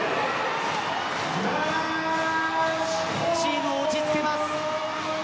チームを落ち着けます。